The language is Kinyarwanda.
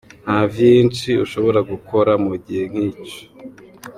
"Nta vyinshi ushobora gukora mu gihe nkico.